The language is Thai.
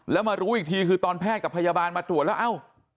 แล้วมารู้อีกทีคือตอนแพทย์กับพยาบาลมาตรวจแล้วเอ้า